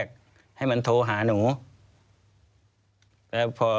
ควิทยาลัยเชียร์สวัสดีครับ